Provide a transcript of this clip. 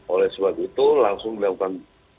oleh sebab itu langsung dilakukan